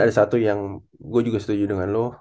ada satu yang gua juga setuju dengan lu